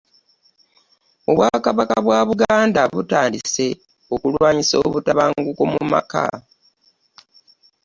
Obwakabaka bwa Buganda butandise okulwanyisa obutabanguko mu maka